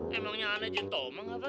nih ini anaknya jen tomeng apa